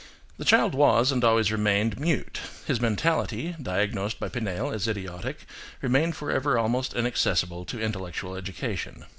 The child was, and always remained, mute; his mentality, diagnosed by Pinel as idiotic, remained forever almost inaccessible to intellectual education.